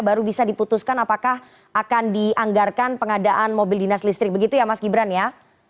baru bisa diputuskan apakah akan dianggarkan pengadaan mobil dinas listrik begitu ya mas gibran ya